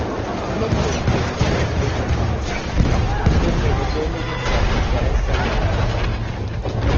Non molte sono le specie commestibili, ancor meno quelle di un certo interesse alimentare.